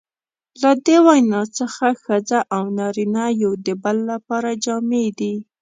له دې وینا څخه ښځه او نارینه یو د بل لپاره جامې دي.